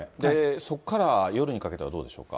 そこから夜にかけてはどうでしょうか？